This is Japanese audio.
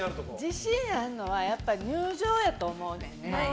自信があるのは入場やと思うんです。